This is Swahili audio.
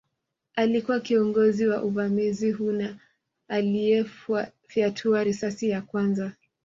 Alikuwa kiongozi wa uvamizi huu na aliyefyatua risasi ya kwanza